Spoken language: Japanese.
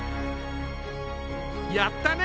やったね！